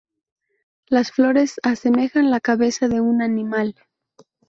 Las flores asemejan la cabeza de un animal.